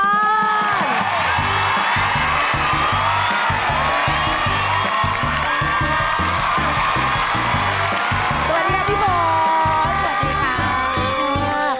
สวัสดีค่ะพี่โบ๊ค